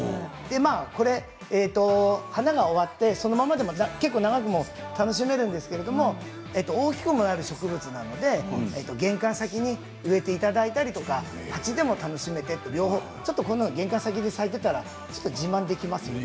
これ花が終わってそのままでも結構長く楽しめるんですけれども大きくもなる植物なので玄関先に植えていただいたりとか鉢でも楽しめて玄関先でこれが咲いていたら自慢できますよね。